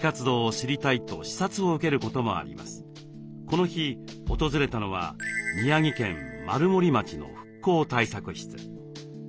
この日訪れたのは宮城県丸森町の復興対策室。